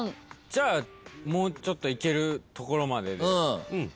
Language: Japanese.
じゃあもうちょっといけるところまでで。